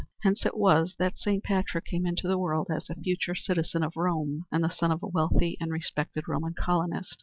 Hence it was that Saint Patrick came into the world as a future citizen of Rome and the son of a wealthy and respected Roman colonist.